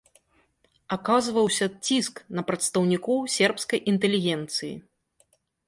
Аказваўся ціск на прадстаўнікоў сербскай інтэлігенцыі.